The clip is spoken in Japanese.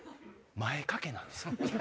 前掛けなんすよ。